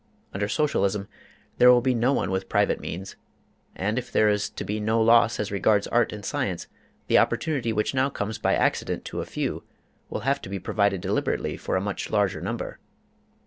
Under Socialism, there will be no one with private means, and if there is to be no loss as regards art and science, the opportunity which now comes by accident to a few will have to be provided deliberately for a much larger number.